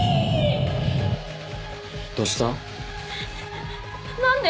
どした？何で？